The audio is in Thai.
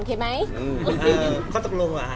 ใครดูแลไม่ได้ก็ต้องจัดการ